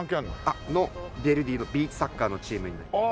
あのヴェルディのビーチサッカーのチームになります。